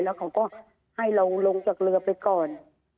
แล้วเขาก็ให้เราลงจากเรือไปก่อน